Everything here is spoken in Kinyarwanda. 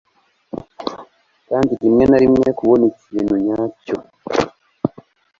kandi rimwe na rimwe kubona ikintu nyacyo